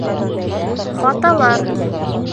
Хаталар